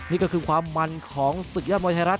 นี่ก็คือความมันของศึกยอดมวยไทยรัฐ